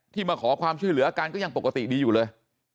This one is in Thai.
มาขอความช่วยเหลืออาการก็ยังปกติดีอยู่เลย